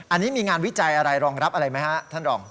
อันนี้มีงานวิจัยอะไรรองรับอะไรไหมฮะท่านรอง